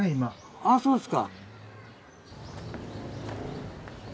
ああそうですか。